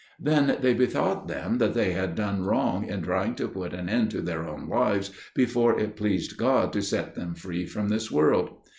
Then they bethought them that they had done wrong in trying to put an end to their own lives before it pleased God to set them free from this world.